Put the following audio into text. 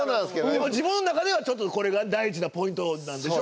でも自分の中ではちょっとこれが大事なポイントなんでしょ？